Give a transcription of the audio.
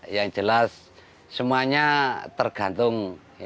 yang jelas semuanya tergantung